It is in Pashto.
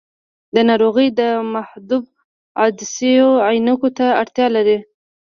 دا ناروغي د محدبو عدسیو عینکو ته اړتیا لري.